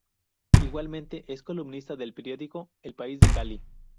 Igualmente es columnista del periódico "El País" de Cali.